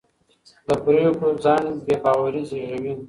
د پرېکړو ځنډ بې باوري زېږوي